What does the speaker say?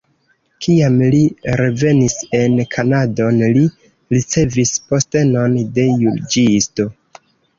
Kiam li revenis en Kanadon, li ricevis postenon de juĝisto.